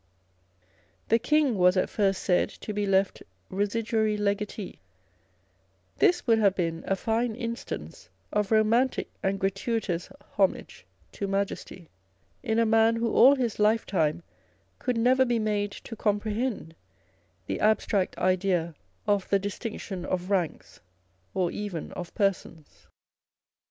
The King was at first said to be left residuary legatee This would have been a fine instance of romantic and gratuitous homage to Majesty, in a man who all his life time could never be made to comprehend the abstract idea of the distinction of ranks or even of persons.